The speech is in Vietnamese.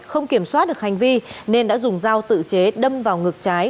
không kiểm soát được hành vi nên đã dùng dao tự chế đâm vào ngực trái